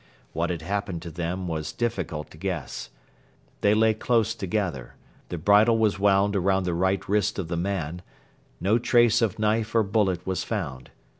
What had happened to them was difficult to guess. They lay close together; the bridle was wound around the right wrist of the man; no trace of knife or bullet was found.